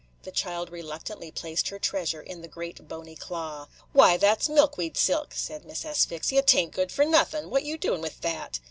The child reluctantly placed her treasure in the great bony claw. "Why, that 's milkweed silk," said Miss Asphyxia. "'T ain't good for nothin' .What you doing with that?"